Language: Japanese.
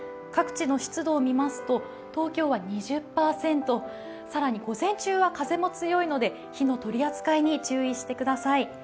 各地の湿度を見ますと東京は２０％、更に午前中は風も強いので火の取り扱いに注意してください。